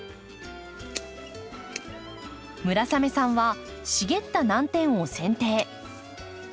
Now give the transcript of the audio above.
村雨さんは茂ったナンテンをせん定。